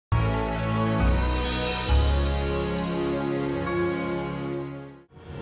kesya botoh ibunya